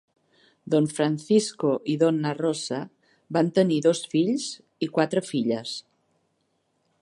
Don Francisco i Donna Rosa van tenir dos fills i quatre filles.